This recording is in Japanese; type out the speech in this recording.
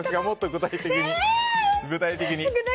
具体的に？